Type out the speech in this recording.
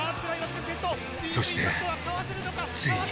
そしてついに。